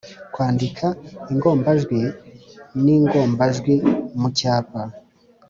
-kwandika ingombajwi n, ingombajwi m mu cyapa